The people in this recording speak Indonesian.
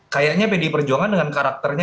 kayaknya pdi perjuangan dengan karakternya